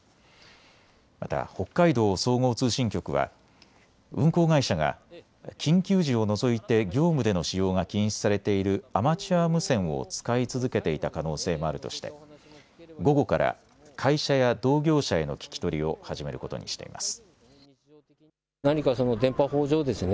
また北海道総合通信局は運航会社が緊急時を除いて業務での使用が禁止されているアマチュア無線を使い続けていた可能性もあるとして午後から会社や同業者への聞き取りを始めることにしています。